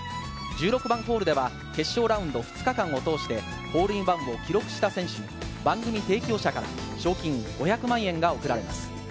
１６番ホールでは決勝ラウンド２日間を通してホールインワンを記録した選手に番組提供社から賞金５００万円が贈られます。